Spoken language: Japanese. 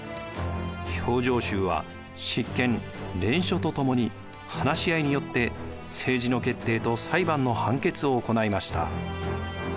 評定衆は執権連署と共に話し合いによって政治の決定と裁判の判決を行いました。